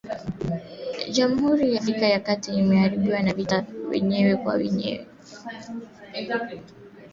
Jamhuri ya Afrika ya kati imeharibiwa na vita vya wenyewe kwa wenyewe